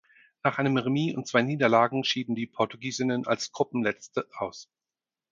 Nach einem Remis und zwei Niederlagen schieden die Portugiesinnen als Gruppenletzte aus.